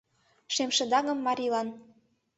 Шемшыдаҥым Марилан